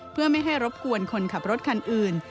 เพื่อไม่ให้รบกวนคนขับรถคันอื่น